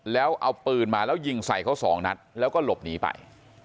แล้วเอาปืนมาแล้วยิงใส่เขาสองนัดแล้วก็หลบหนีไป